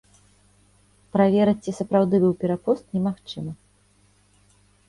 Праверыць, ці сапраўды быў перапост, немагчыма.